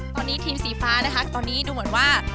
ตอนนี้ทีมสีฟ้านะคะตอนนี้ดูเหมือนว่า